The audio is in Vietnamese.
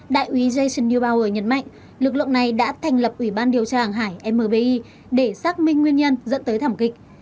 đại úy jason new bower nhấn mạnh lực lượng này đã thành lập ủy ban điều tra hàng hải mbi để xác minh nguyên nhân dẫn tới thảm kịch